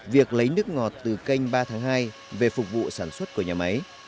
việc lấy nước ngọt từ kênh ba tháng hai về phục vụ sản xuất của nhà máy